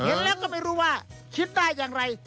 เห็นแล้วก็ไม่รู้ว่าคิดได้อย่างไร